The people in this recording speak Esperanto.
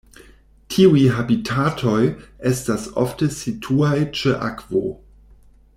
Tiuj habitatoj estas ofte situaj ĉe akvo.